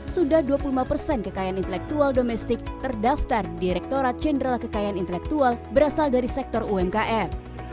sudah dua puluh lima persen kekayaan intelektual domestik terdaftar direktorat jenderal kekayaan intelektual berasal dari sektor umkm